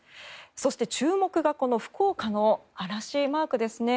そして、注目が福岡の嵐マークですね。